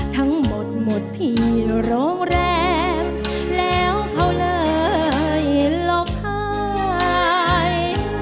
ทั้งหมดหมดที่โรงแรมแล้วเขาเลยหลบหาย